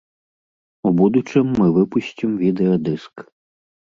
У будучым мы выпусцім відэа-дыск.